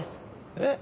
えっ？